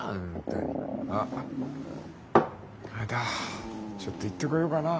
あっあいたちょっと行ってこようかな。